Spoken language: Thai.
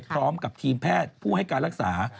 พร้อมกับทีมแพทย์ผู้ให้การรักษา